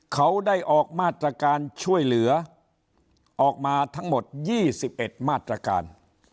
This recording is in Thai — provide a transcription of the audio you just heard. เขาได้ออกมาตรการช่วยเหลือออกมาทั้งหมด๒๑มาตรการ